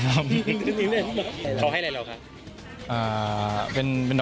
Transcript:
เดือนนี้แน่นมาก